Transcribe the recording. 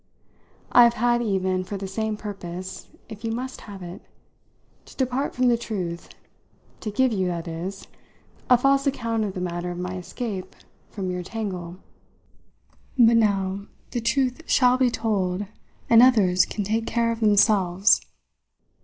I've had even, for the same purpose if you must have it to depart from the truth; to give you, that is, a false account of the manner of my escape from your tangle. But now the truth shall be told, and others can take care of themselves!"